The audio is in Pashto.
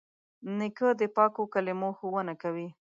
نیکه د پاکو کلمو ښوونه کوي.